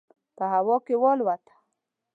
په هوا کې والوته.